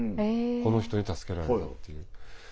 この人に助けられたっていう。